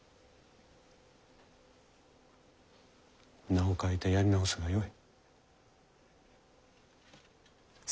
名を変えてやり直すがよい。